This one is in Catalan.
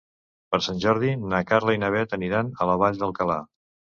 Per Sant Jordi na Carla i na Bet aniran a la Vall d'Alcalà.